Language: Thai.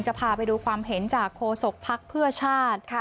จะพาไปดูความเห็นจากโฆษกภักดิ์เพื่อชาติ